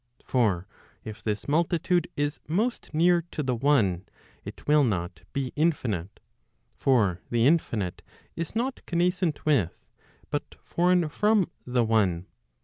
For if this multitude is most near to the one it will not be infinite. For the infinite is not connascent with, but foreign from the one.